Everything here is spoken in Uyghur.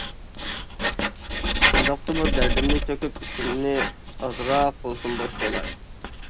شۇنداقتىمۇ دەردىمنى تۆكۈپ ئىچىمنى ئازراق بولسىمۇ بوشىتىۋالاي.